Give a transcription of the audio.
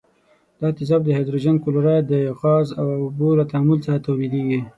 دا تیزاب د هایدروجن کلوراید د غاز او اوبو له تعامل څخه تولیدیږي.